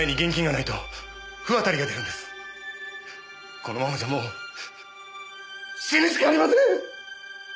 このままじゃもう死ぬしかありません！